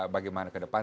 bagaimana ke depan